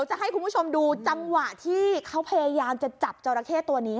จะให้คุณผู้ชมดูจังหวะที่เขาพยายามจะจับจอราเข้ตัวนี้